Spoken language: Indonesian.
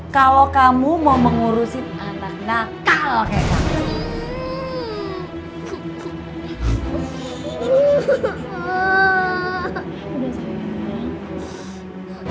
kalau kamu mau mengurusin anak anak kalau kayak kakak